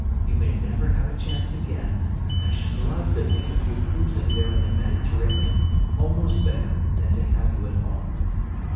You may never have a chance again, and I should love to think of you cruising there in the Mediterranean almost better than to have you at home."